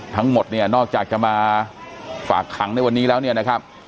ทั้งหมดเนี่ยนอกจากจะมาฝากขังในวันนี้แล้วเนี่ยนะครับ